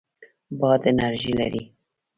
باد انرژي لري.